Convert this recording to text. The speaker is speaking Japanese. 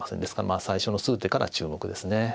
ですから最初の数手から注目ですね。